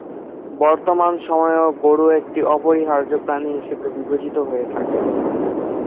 বর্তমান সময়েও গরু একটি অপরিহার্য প্রাণী হিসেবে বিবেচিত হয়ে থাকে।